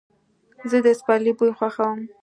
زه د سپرلي بوی خوښوم.